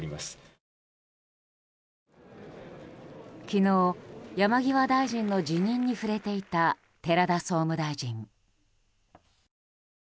昨日、山際大臣の辞任に触れていた寺田総務大臣。